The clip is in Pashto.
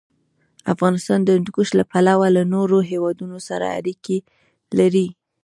افغانستان د هندوکش له پلوه له نورو هېوادونو سره اړیکې لري.